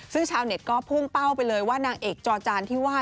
ซึ่งชาวเน็ตก็พุ่งเป้าไปเลยว่านางเอกจอจานที่ว่า